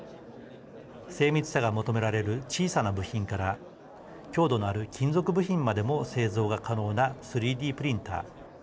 精密さが求められる小さな部品から強度のある金属部品までも製造が可能な３Ｄプリンター。